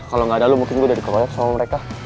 kalo gak ada lo mungkin gue udah dikoyot sama mereka